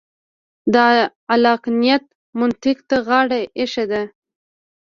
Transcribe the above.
د عقلانیت منطق ته غاړه اېښې ده.